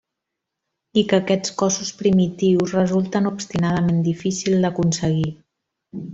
I que aquests cossos primitius resulten obstinadament difícil d'aconseguir.